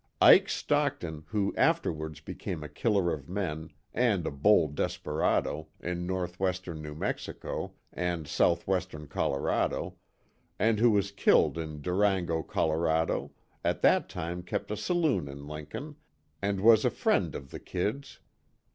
Ike Stockton, who afterwards became a killer of men, and a bold desperado, in northwestern New Mexico, and southwestern Colorado, and who was killed in Durango, Colorado, at that time kept a saloon in Lincoln, and was a friend of the "Kid's."